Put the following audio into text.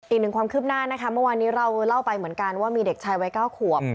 อีกหนึ่งความคืบหน้านะคะเมื่อวานนี้เราเล่าไปเหมือนกันว่ามีเด็กชายวัย๙ขวบ